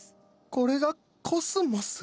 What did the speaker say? これがコスモス？